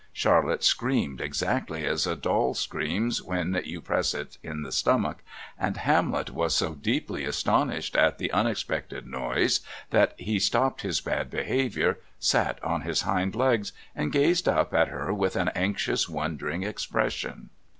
Charlotte screamed exactly as a doll screams when you press it in the stomach, and Hamlet was so deeply astonished at the unexpected noise that he stopped his bad behaviour, sat on his hind legs, and gazed up at her with an anxious wondering expression.